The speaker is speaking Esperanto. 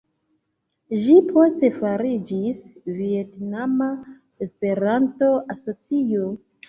Ĝi poste fariĝis Vjetnama Esperanto-Asocio.